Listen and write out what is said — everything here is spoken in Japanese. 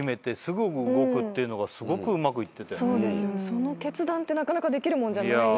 その決断ってなかなかできるもんじゃないですよね。